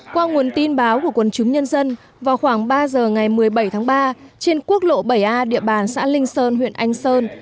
qua nguồn tin báo của quần chúng nhân dân vào khoảng ba giờ ngày một mươi bảy tháng ba trên quốc lộ bảy a địa bàn xã linh sơn huyện anh sơn